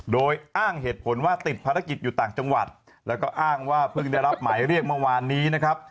โดยอ้างเหตุผลว่าติดภารกิจอยู่ต่างจังหวัดแล้วก็อ้างว่าเพิ่งได้รับหมายเรียกเมื่อวานนี้นะครับ